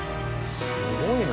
すごいな。